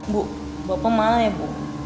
bu bapak malah ya bu